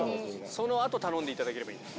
そのあと頼んでいただければいい。